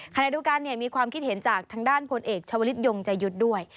ขณะเดียวกันมีความคิดเห็นจากทางด้านพลเอกชาวลิศยงใจยุทธ์ด้วย